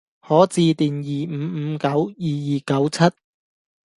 可致電二五五九二二九七